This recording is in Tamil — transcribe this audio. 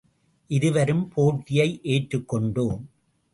இருவரும் போட்டியை ஏற்றுக்கொண்டோம்.